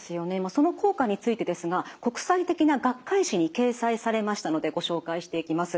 その効果についてですが国際的な学会誌に掲載されましたのでご紹介していきます。